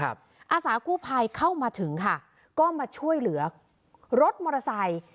อาสากู้ภัยเข้ามาถึงค่ะก็มาช่วยเหลือรถมอเตอร์ไซค์